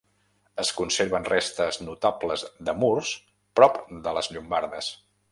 Es conserven restes notables de murs prop de les Llombardes.